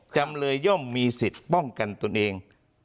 จำเลยย่อมมีสิทธิ์ป้องกันตนเอง